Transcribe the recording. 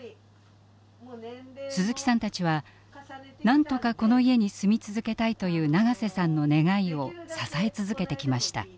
鈴木さんたちは「なんとかこの家に住み続けたい」という長瀬さんの願いを支え続けてきました。